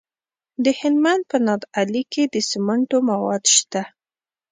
د هلمند په نادعلي کې د سمنټو مواد شته.